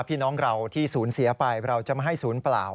พี่น้องเราที่สูญเสียไปเราจะไม่ให้ศูนย์เปล่า